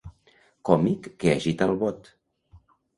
Còmic que agita el bot.